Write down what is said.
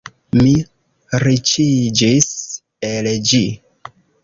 Mi riĉiĝis el ĝi.